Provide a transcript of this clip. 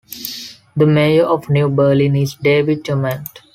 The mayor of New Berlin is David Ament.